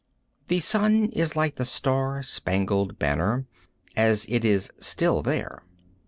The sun is like the star spangled banner as it is "still there."